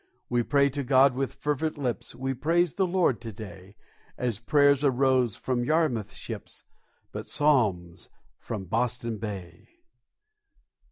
We pray to God with fervent lips, We praise the Lord to day, As prayers arose from Yarmouth ships, But psalms from Boston Bay.